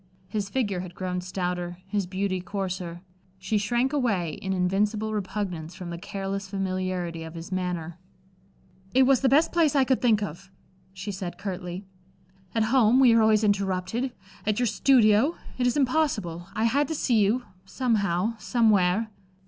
His figure had grown stouter, his beauty coarser. She shrank away in invincible repugnance from the careless familiarity of his manner. "It was the best place I could think of," she said, curtly. "At home, we are always interrupted; at your studio it is impossible. I had to see you somehow, somewhere."